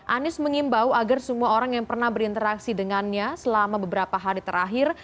anies mengimbau agar semua orang yang pernah berinteraksi dengannya selama beberapa hari terakhir